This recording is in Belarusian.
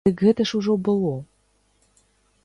Дык гэта ж ужо было.